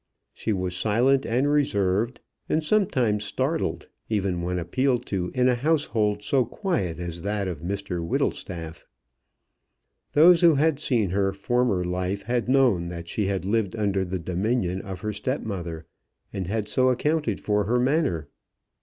She was silent and reserved, and sometimes startled, even when appealed to in a household so quiet as that of Mr Whittlestaff. Those who had seen her former life had known that she had lived under the dominion of her step mother, and had so accounted for her manner.